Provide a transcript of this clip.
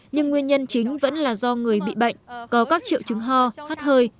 nhưng nguyên nhân chính vẫn là do người bị bệnh có các triệu chứng ho hát hơi